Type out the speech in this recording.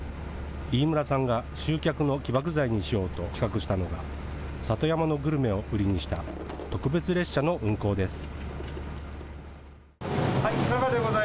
飯村さんが集客の起爆剤にしようと企画したのが里山のグルメを売りにした特別列車の運行です。